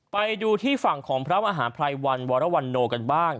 ไปดูที่ฝั่งของพระอาหารไพรวัลวัรวัลโนกันบ้าง